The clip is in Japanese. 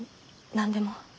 何でも。